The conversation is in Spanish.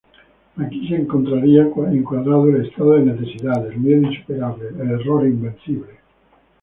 Aquí se encontraría encuadrado el estado de necesidad, el miedo insuperable, el error invencible.